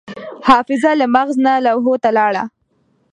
حافظه له مغز نه لوحو ته لاړه.